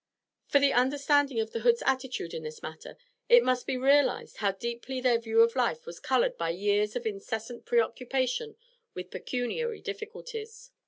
For the understanding of the Hoods' attitude in this matter, it must be realised how deeply their view of life was coloured by years of incessant preoccupation with pecuniary difficulties.